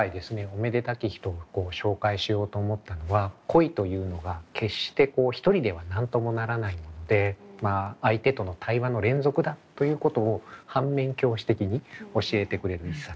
「お目出たき人」を紹介しようと思ったのは恋というのが決して一人では何ともならないもので相手との対話の連続だということを反面教師的に教えてくれる一冊。